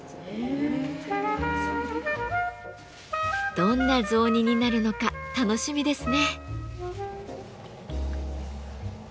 どんな雑煮になるのか楽しみですね。